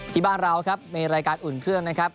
ที่บ้านเราครับมีรายการอุ่นเครื่องนะครับ